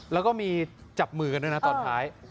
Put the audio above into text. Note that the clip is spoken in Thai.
แล้วก็มีจับมือตอนท้าย